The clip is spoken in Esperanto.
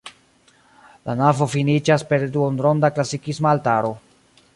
La navo finiĝas per duonronda klasikisma altaro.